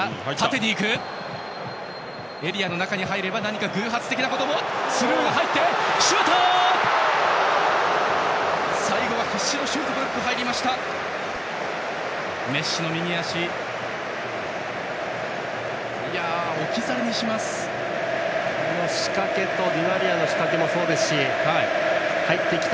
最後は必死のシュートブロックが入りました。